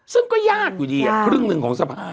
ซึ่งก็ยากอยู่ดีครึ่งหนึ่งของสภา